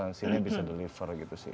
scene nya bisa deliver gitu sih